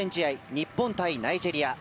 日本対ナイジェリア。